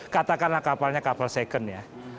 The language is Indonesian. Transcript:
katakanlah kapalnya kapal second ya